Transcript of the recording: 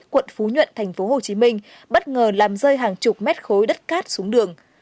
quận phú nhuận thành phố hồ chí minh bất ngờ làm rơi hàng chục mét khối đất cát xuống đường